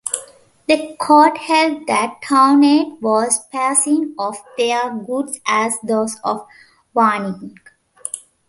The Court held that Townend was passing off their goods as those of Warnink.